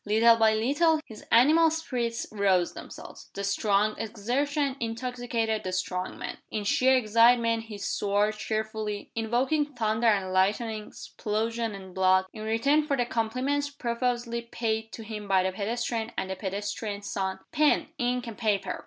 Little by little his animal spirits roused themselves. The strong exertion intoxicated the strong man. In sheer excitement he swore cheerfully invoking thunder and lightning, explosion and blood, in return for the compliments profusely paid to him by the pedestrian and the pedestrian's son. "Pen, ink, and paper!"